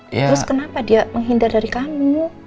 terus kenapa dia menghindar dari kamu